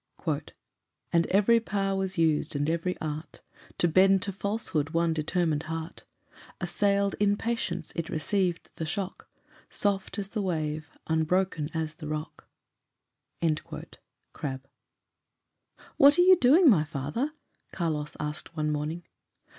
"And every power was used, and every art, To bend to falsehood one determined heart, Assailed, in patience it received the shock, Soft as the wave, unbroken as the rock." Crabbe "What are you doing, my father?" Carlos asked one morning.